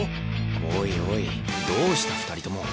おいおいどーした２人とも。